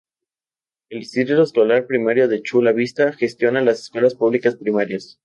El Distrito Escolar Primario de Chula Vista gestiona las escuelas públicas primarias.